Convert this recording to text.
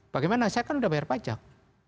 bagaimana saya kan sudah bayar pajak